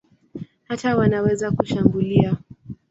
Hata wanaweza kushambulia.